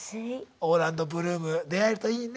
オーランド・ブルーム出会えるといいね。